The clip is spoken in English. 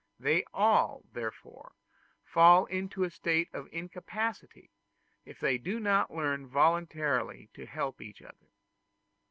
They all, therefore, fall into a state of incapacity, if they do not learn voluntarily to help each other.